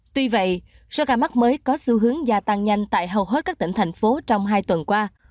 tuy vậy số ca mắc mới có xu hướng gia tăng nhanh tại hầu hết các tỉnh thành phố trong hai tuần qua